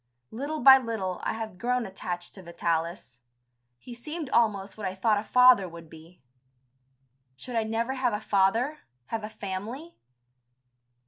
Little by little I had grown attached to Vitalis. He seemed almost what I thought a father would be. Should I never have a father, have a family?